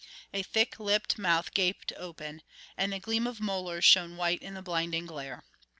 A thick lipped mouth gaped open, and the gleam of molars shone white in the blinding glare.